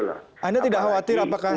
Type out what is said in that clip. anda tidak khawatir apakah